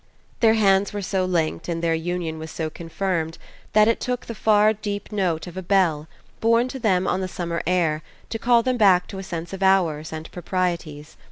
Their hands were so linked and their union was so confirmed that it took the far deep note of a bell, borne to them on the summer air, to call them back to a sense of hours and proprieties.